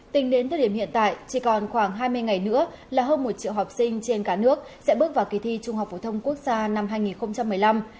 tính đến thời điểm hiện tại chỉ còn khoảng hai mươi ngày nữa là hơn một triệu học sinh trên cả nước sẽ bước vào kỳ thi trung học phổ thông quốc gia năm hai nghìn một mươi năm